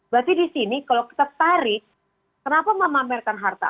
berarti di sini kalau kita tarik kenapa memamerkan harta